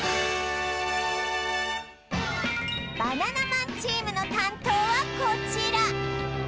バナナマンチームの担当はこちら！